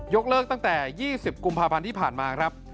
เลิกตั้งแต่๒๐กุมภาพันธ์ที่ผ่านมาครับ